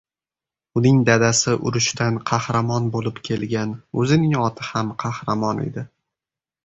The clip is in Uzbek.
Uning dadasi urushdan qahramon bo‘lib kelgan, o‘zining oti ham Qahramon edi.